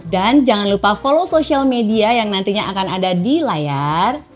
dan jangan lupa follow social media yang nantinya akan ada di layar